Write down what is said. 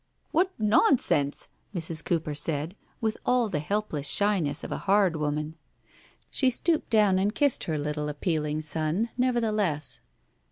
"What nonsense!" Mrs. Cooper said, with all the helpless shyness of a hard woman. She stooped down and kissed her little appealing son, nevertheless.